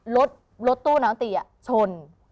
รถรถตู้น้ำตีอ่ะชน